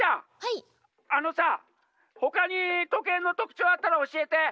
☎あのさほかにとけいのとくちょうあったらおしえて！